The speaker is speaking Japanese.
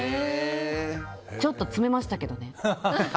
ちょっと詰めましたけどね。